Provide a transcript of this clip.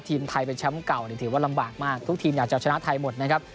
ทีมไทยเป็นแชมป์เก่าถือว่าลำบากมากทุกทีมอยากจะชนะไทยหมดนะครับ